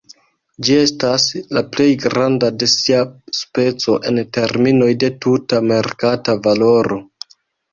Ĝi estas la plej granda de sia speco en terminoj de tuta merkata valoro.